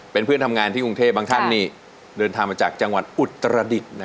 เป็นเพื่อนทำงานที่กรุงเทพบางท่านนี่เดินทางมาจากจังหวัดอุตรดิษฐ์